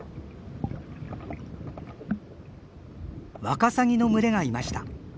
ワカサギの群れがいました。